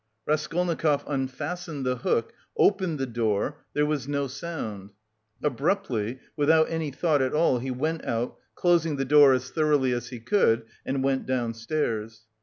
Raskolnikov unfastened the hook, opened the door there was no sound. Abruptly, without any thought at all, he went out, closing the door as thoroughly as he could, and went downstairs.